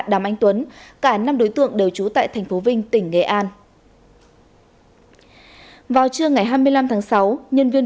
đàm anh tuấn cả năm đối tượng đều trú tại thành phố vinh tỉnh nghệ an vào trưa ngày hai mươi năm tháng sáu nhân viên